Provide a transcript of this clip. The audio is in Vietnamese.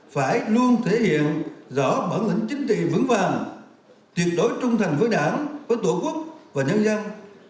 phải luôn thể hiện rõ bản lĩnh chính trị vững vàng tuyệt đối trung thành với đảng với tổ quốc và nhân dân